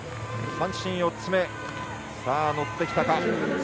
三振４つ目、乗ってきたか。